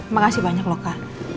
makasih banyak loh kak